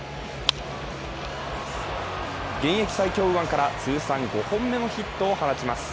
現役最強右腕から通算５本目のヒットを放ちます。